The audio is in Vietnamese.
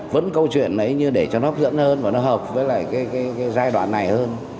vẫn câu chuyện đấy như để cho nó hấp dẫn hơn và nó hợp với lại cái giai đoạn này hơn